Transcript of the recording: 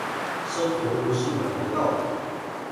生活不是買得到的